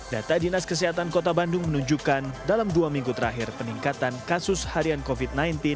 data dinas kesehatan kota bandung menunjukkan dalam dua minggu terakhir peningkatan kasus harian covid sembilan belas